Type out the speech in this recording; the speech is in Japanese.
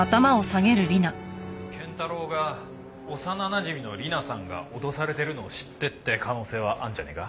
賢太郎が幼なじみの理奈さんが脅されてるのを知ってって可能性はあるんじゃねえか？